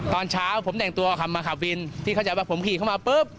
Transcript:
ตอนเช้าผมแต่งตัวขับมาขับวินที่เข้าใจว่าผมขี่เข้ามาปุ๊บ